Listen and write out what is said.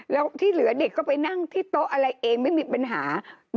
แล้วที่เหลือเด็กก็ไปนั่งที่โต๊ะอะไรเองไม่มีปัญหา